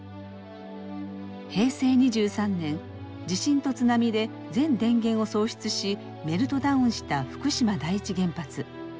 平成２３年地震と津波で全電源を喪失しメルトダウンした福島第一原発。